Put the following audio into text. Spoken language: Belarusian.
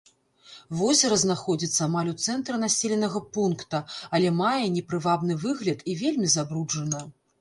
Возера знаходзіцца амаль у цэнтры населенага пункта, але мае непрывабны выгляд і вельмі забруджана.